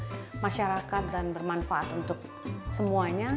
untuk masyarakat dan bermanfaat untuk semuanya